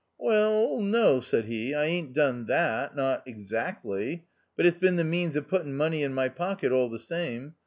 " Well, no," said he, " I aint done that — not ex act ly. But it's been the means of putting money in my pocket all the same.